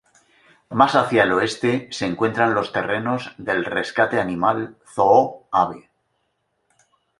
Más hacia el oeste se encuentran los terrenos del Rescate Animal Zoo Ave.